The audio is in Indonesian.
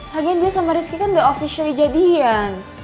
lagian dia sama rizky kan udah officially jadiin